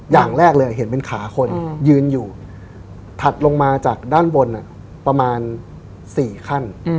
อย่างแรกเลยเห็นเป็นขาคนยืนอยู่ถัดลงมาจากด้านบนประมาณ๔ขั้น